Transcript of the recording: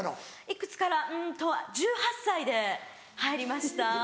いくつからうんと１８歳で入りましたぁ。